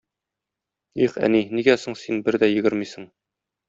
Их, әни, нигә соң син бер дә йөгермисең?